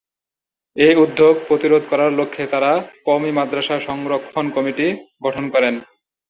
এ উদ্যোগ প্রতিরোধ করার লক্ষ্যে তারা ‘কওমি মাদ্রাসা সংরক্ষণ কমিটি’ গঠন করেন।